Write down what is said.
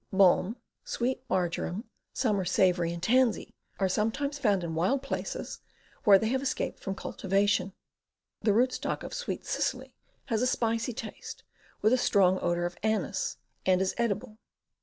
Balm, sweet marjoram, summer p,. . savory and tansy are sometimes found in wild places, where they have es caped from cultivation. The rootstock of sweet cicely has a spicy taste, with a strong odor of anise, and is edible.